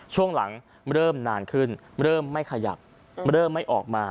ช่วงหลังเริ่มนานขึ้นเริ่มไม่ขยับเริ่มไม่ออกมา